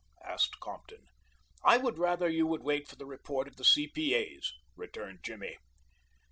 asked Compton. "I would rather you would wait for the report of the C.P.A.'s," returned Jimmy.